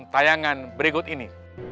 tayangan berikut ini